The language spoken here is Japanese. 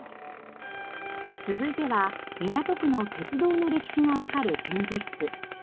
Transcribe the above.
続いては港区の鉄道の歴史がわかる展示室。